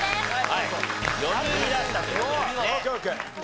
はい。